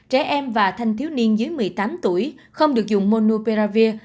trẻ em và thanh thiếu niên dưới một mươi tám tuổi không được dùng monopearavir